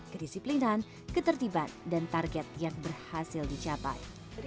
kedisiplinan ketertiban dan target yang berhasil dicapai